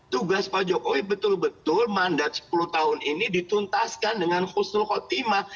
tugas pak jokowi betul betul mandat sepuluh tahun ini dituntaskan dengan khusnul khotimah